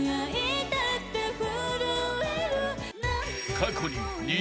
［過去に］